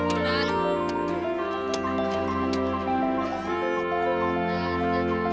dia punya akal